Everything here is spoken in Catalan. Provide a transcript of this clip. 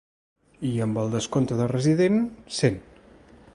I amb el descompte de resident, cent.